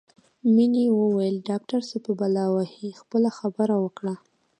مينې وویل ډاکټر څه په بلا وهې خپله خبره وکړه